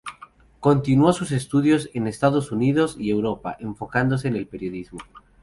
Continuó sus estudios en Estados Unidos y Europa, enfocándose en el periodismo.